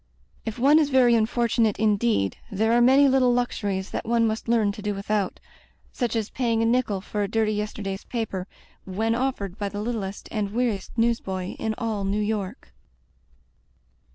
If one is very unfortunate indeed, there are many little luxuries that one must learn to do widiout — such as paying a nickel for a dirty yesterday's paper, when offered by the littlest and weariest newsboy in all New York.